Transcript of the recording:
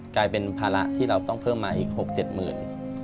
กลายเป็นภาระที่เราต้องเพิ่มมาอีก๖๗หมื่น